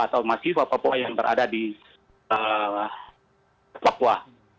atau mahasiswa papua yang berada di papua